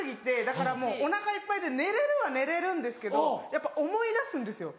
だからお腹いっぱいで寝れるは寝れるんですけどやっぱ思い出すんですよ。